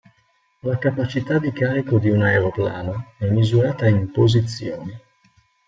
La capacità di carico di un aeroplano è misurata in "posizioni".